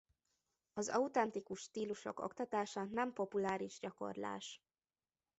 Az autentikus stílusok oktatása nem populáris gyakorlás.